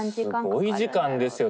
すごい時間ですよ